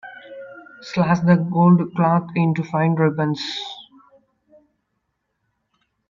Slash the gold cloth into fine ribbons.